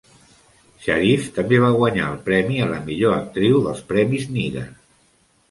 Sharif també va guanyar el premi a la millor actriu dels premis Nigar.